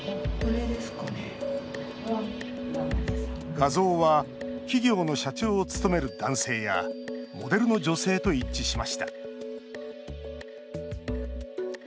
画像は企業の社長を務める男性やモデルの女性と一致しました。